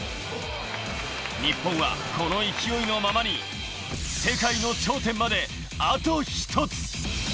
日本は、この勢いのままに世界の頂点まであと一つ。